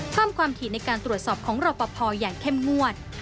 เพิ่มความถี่ในการตรวจสอบของรอปภอย่างเข้มงวด